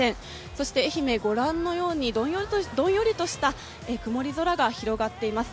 そして愛媛、ご覧のようにどんよりとした曇り空が広がっています。